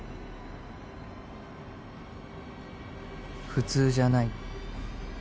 ［普通じゃない］